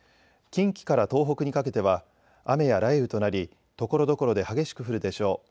近畿から東北にかけては雨や雷雨となり、ところどころで激しく降るでしょう。